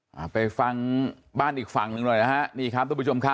หรือจะขอให้เค้าเลิกทำ